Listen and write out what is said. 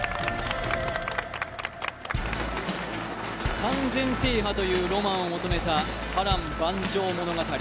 完全制覇というロマンを求めた波乱万丈の物語。